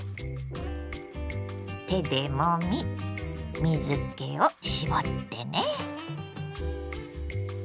手でもみ水けを絞ってね。